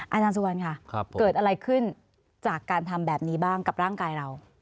อาจารย์สุวรรณค่ะเกิดอะไรขึ้นจากการทำแบบนี้บ้างกับร่างกายเรา